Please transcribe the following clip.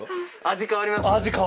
味変わります？